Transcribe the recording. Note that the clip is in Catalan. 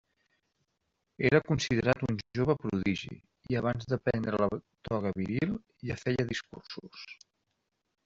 Era considerat un jove prodigi i abans de prendre la toga viril ja feia discursos.